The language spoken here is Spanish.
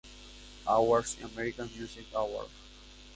Awards y un American Music Award.